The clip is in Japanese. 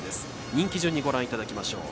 人気順にご覧いただきましょう。